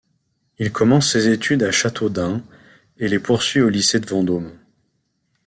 Il commence ses études à Châteaudun et les poursuit au lycée de Vendôme.